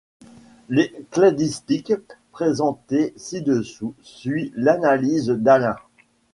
La cladistique présentée ci-dessous suit l'analyse d'Allain.